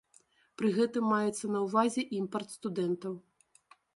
Пры гэтым маецца на ўвазе імпарт студэнтаў.